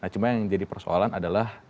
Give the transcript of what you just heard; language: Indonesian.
cuma yang jadi persoalan adalah